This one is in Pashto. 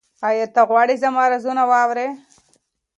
ایا ته غواړې چې زما رازونه واورې؟